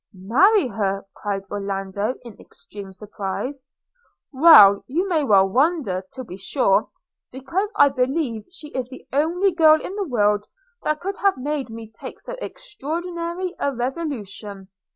'Marry her!' cried Orlando in extreme surprise. 'Why, you may well wonder, to be sure, because I believe she is the only girl in the world that could have made me take so extraordinary a resolution.'